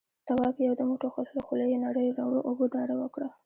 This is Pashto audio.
تواب يو دم وټوخل، له خولې يې نريو رڼو اوبو داره وکړه.